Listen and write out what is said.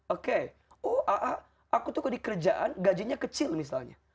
oke aku tuh di kerjaan gajinya kecil misalnya